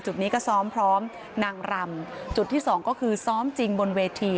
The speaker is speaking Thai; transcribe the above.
จุดนี้ก็ซ้อมพร้อมนางรำจุดที่สองก็คือซ้อมจริงบนเวที